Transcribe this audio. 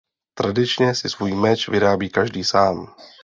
Tradičně si svůj meč vyrábí každý sám.